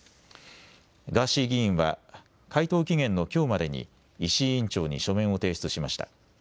ガーシー議員は回答期限のきょうまでに石井委員長に書面を提出しました。